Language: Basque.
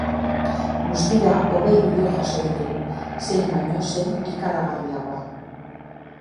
Guztira, hogei bideo jaso ditugu, zein baino zein ikaragarriagoa.